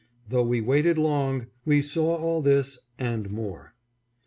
Though we waited long, we saw all this and more.